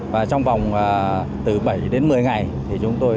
và trong vòng từ bảy đến một mươi ngày thì chúng tôi